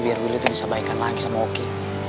biar willy tuh bisa baikan lagi sama oki